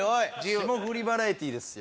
『霜降りバラエティ』ですよ。